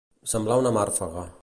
Semblar una màrfega.